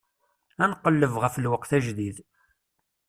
Ad nqelleb ɣef lweqt ajdid.